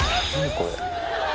これ。